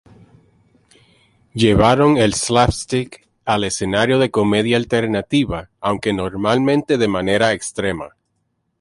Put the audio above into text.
Llevaron el slapstick al escenario de comedia alternativa, aunque normalmente de manera extrema.